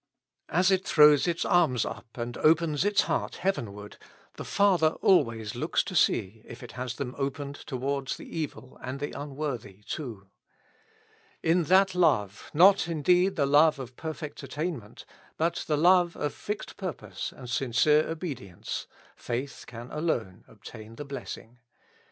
As it throws its arms up, and opens its heart heavenward, the Father always looks to see if it has them opened towards the evil and the unworthy too. Li that love, not indeed the love of perfect attainment, but the love of fixed pur pose and sincere obedience, faith can alone obtain the blessing.